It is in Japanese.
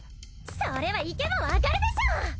それは行けばわかるでしょ！